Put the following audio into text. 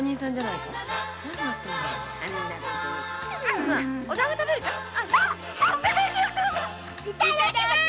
いただきます。